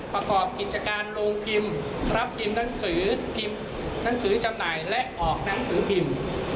ประกอบกิจกรรมโรงพิมพ์รับพิมพ์หนังสือจำหน่ายและออกหนังสือพิมพ์